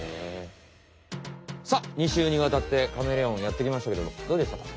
さあ２週にわたってカメレオンやってきましたけれどどうでしたか？